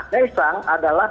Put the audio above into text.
nah ksang adalah